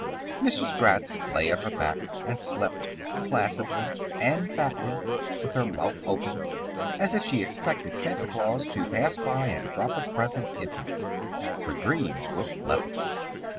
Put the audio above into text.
Mrs. Gratz lay on her back and slept, placidly and fatly, with her mouth open, as if she expected Santa Claus to pass by and drop a present into it. Her dreams were pleasant.